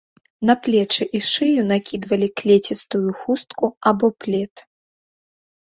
На плечы і шыю накідвалі клецістую хустку або плед.